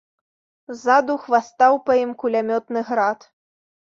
Ззаду хвастаў па ім кулямётны град.